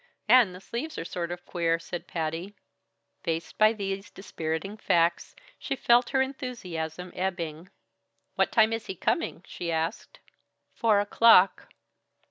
"And the sleeves are sort of queer," said Patty. Faced by these dispiriting facts, she felt her enthusiasm ebbing. "What time is he coming?" she asked. "Four o'clock."